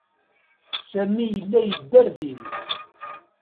Sami yella yedder din.